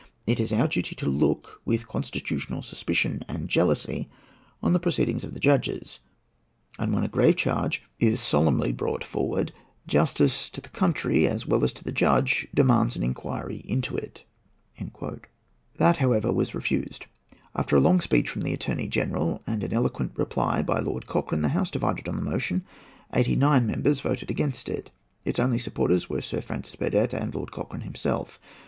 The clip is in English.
It is our duty to look, with constitutional suspicion on jealousy, on the proceedings of the judges; and, when a grave charge is solemnly brought forward, justice to the country, as well as to the judge, demands an inquiry into it." That, however, was refused. After a long speech from the Attorney General, and an eloquent reply by Lord Cochrane, the House divided on the motion. Eighty nine members voted against it. Its only supporters were Sir Francis Burdett and Lord Cochrane himself.